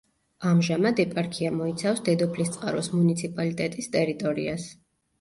ამჟამად ეპარქია მოიცავს დედოფლისწყაროს მუნიციპალიტეტის ტერიტორიას.